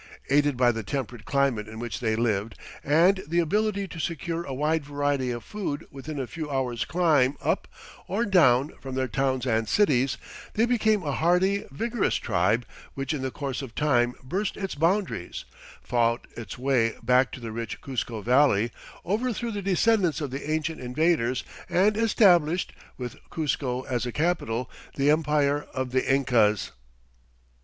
Aided by the temperate climate in which they lived, and the ability to secure a wide variety of food within a few hours' climb up or down from their towns and cities, they became a hardy, vigorous tribe which in the course of time burst its boundaries, fought its way back to the rich Cuzco Valley, overthrew the descendants of the ancient invaders and established, with Cuzco as a capital, the Empire of the Incas.